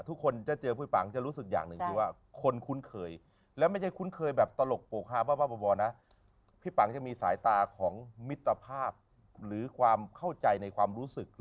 ทุกคนจะเจอพี่ปังจะรู้สึกอย่างหนึ่ง